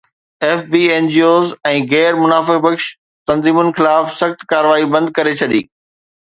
F B N G Os ۽ غير منافع بخش تنظيمن خلاف سخت ڪارروائي بند ڪري ڇڏي